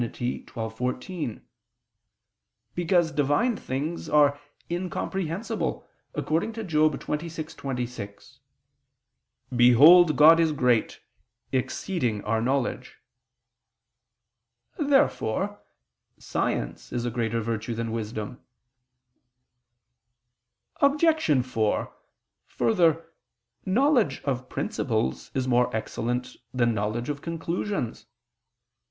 xii, 14): because Divine things are incomprehensible, according to Job 26:26: "Behold God is great, exceeding our knowledge." Therefore science is a greater virtue than wisdom. Obj. 4: Further, knowledge of principles is more excellent than knowledge of conclusions.